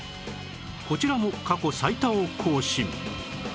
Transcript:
こちらも過去最多を更新